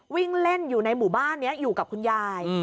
วิ่งเล่นอยู่ในหมู่บ้านนี้อยู่กับคุณยาย